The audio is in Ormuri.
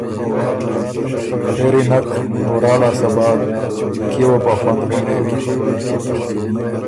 پېري نک ـــ ورا لاسته بعد ـــ کيې وه بو ا خوند غونېوی